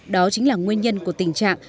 đó chính là nguyên nhân của tình trạng